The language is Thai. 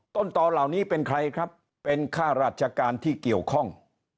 ต้นต่อเหล่านี้เป็นใครครับเป็นค่าราชการที่เกี่ยวข้อง